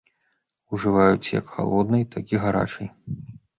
Ужываюць як халоднай, так і гарачай.